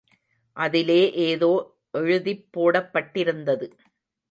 அதிலே ஏதோ எழுதிப் போடப்பட்டிருந்தது.